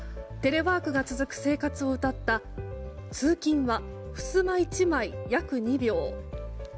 テレワークが続く生活をうたった「通勤は襖一枚約二秒」。